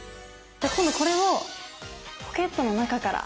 今度これをポケットの中から。